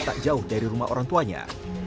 tak jauh dari rumah orang tuanya